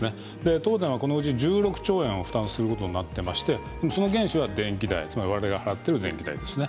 東電はこのうち１６兆円を負担することになっていてその原資は電気代、我々が払っている電気代です。